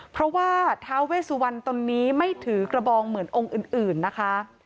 เพราะว่าท้าเวสุวรรณตนนี้ไม่ถือกระบองเหมือนองค์อื่นนะคะ